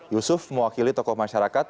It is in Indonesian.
yusuf mewakili tokoh masyarakat